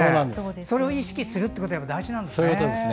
それを意識することって大事なんですね。